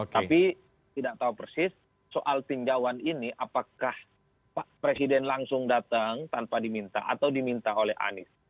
tapi tidak tahu persis soal tinjauan ini apakah pak presiden langsung datang tanpa diminta atau diminta oleh anies